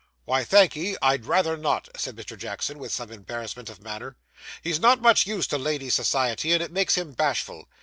'Why, thank'ee, I'd rather not,' said Mr. Jackson, with some embarrassment of manner. 'He's not much used to ladies' society, and it makes him bashful.